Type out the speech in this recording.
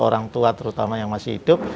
orang tua terutama yang masih hidup